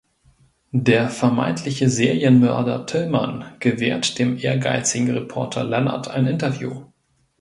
Der vermeintliche Serienmörder Tillmann gewährt dem ehrgeizigen Reporter Lennart ein Interview.